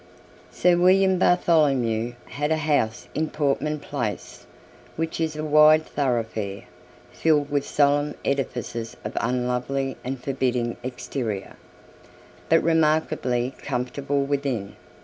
Sir William Bartholomew had a house in Portman Place, which is a wide thoroughfare, filled with solemn edifices of unlovely and forbidding exterior, but remarkably comfortable within.